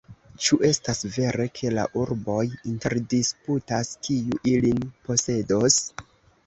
Ĉu estas vere, ke la urboj interdisputas, kiu ilin posedos?